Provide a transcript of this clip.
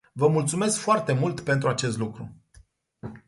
Vă mulțumesc foarte mult pentru acest lucru.